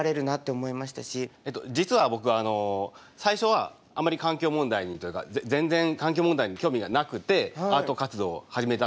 実は僕最初はあまり環境問題にというか全然環境問題に興味がなくてアート活動を始めたんです。